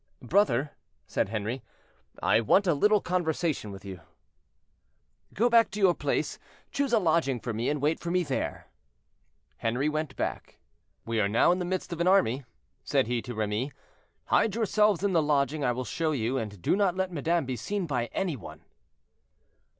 "Brother," said Henri, "I want a little conversation with you." "Go back to your place; choose a lodging for me, and wait for me there." Henri went back. "We are now in the midst of an army," said he to Remy; "hide yourselves in the lodging I will show you, and do not let madame be seen by any one."